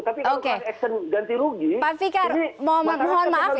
tapi kalau kelas aksi ganti rugi ini masalahnya akan berlubung